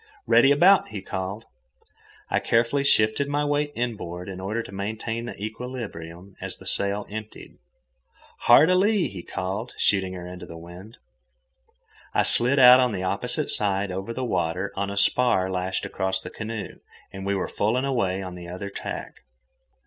"Ready about!" he called. I carefully shifted my weight inboard in order to maintain the equilibrium as the sail emptied. "Hard a lee!" he called, shooting her into the wind. I slid out on the opposite side over the water on a spar lashed across the canoe, and we were full and away on the other tack.